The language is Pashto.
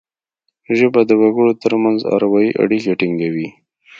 ژبه د وګړو ترمنځ اروايي اړیکي ټینګوي